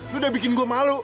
gue udah bikin gue malu